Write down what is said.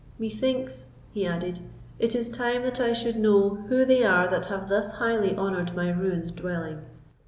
Methinks," he added, "it is time that I should know who they are that have thus highly honoured my ruined dwelling!"